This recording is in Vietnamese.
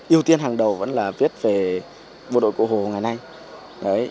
ưu tiên hàng đầu vẫn là viết về bộ đội cổ hồ ngày nay